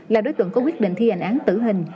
là đối tượng có quyết định thi hành án tử hình